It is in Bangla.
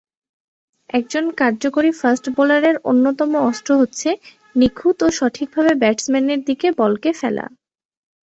একজন কার্যকরী ফাস্ট বোলারের অন্যতম অস্ত্র হচ্ছে নিখুঁত ও সঠিকভাবে ব্যাটসম্যানের দিকে বলকে ফেলা।